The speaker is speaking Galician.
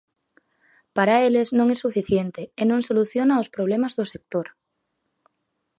Para eles non é suficiente e non soluciona os problemas do sector.